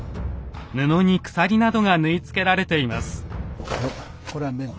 布に鎖などが縫い付けられています。